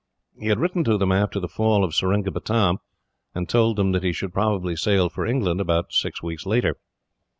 He had written to them after the fall of Seringapatam, and told them that he should probably sail for England about six weeks later.